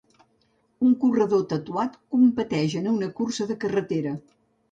Un corredor tatuat competeix en una cursa de carretera.